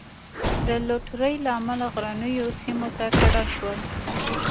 د لوټرۍ له امله غرنیو سیمو ته کډه شول.